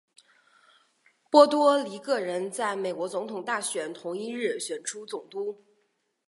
波多黎各人在美国总统大选同一日选出总督。